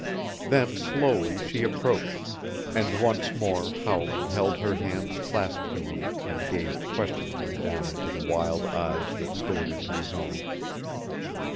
Then, slowly, she approached, and once more Howland held her hands clasped to him and gazed questioningly down into the wild eyes that stared into his own.